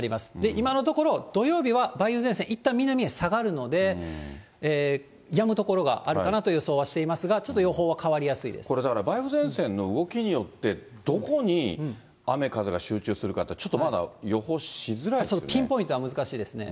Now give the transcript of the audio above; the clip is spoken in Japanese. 今のところ、土曜日は梅雨前線、いったん南へ下がるので、やむ所があるかなと予想はしていますが、ちょっと予報は変わりやこれだから、梅雨前線の動きによって、どこに雨風が集中するかって、ピンポイントは難しいですね。